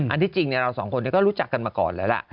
อันที่จริงเนี่ยเราสองคนเนี่ยก็รู้จักกันมาก่อนแล้วล่ะ